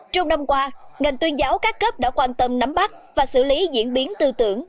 trong năm qua ngành tuyên giáo các cấp đã quan tâm nắm bắt và xử lý diễn biến tư tưởng